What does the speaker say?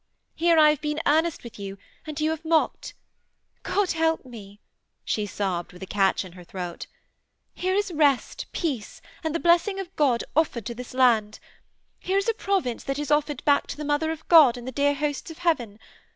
Here I have been earnest with you, and you have mocked. God help me!' she sobbed, with a catch in her throat. 'Here is rest, peace and the blessing of God offered to this land. Here is a province that is offered back to the Mother of God and the dear hosts of heaven.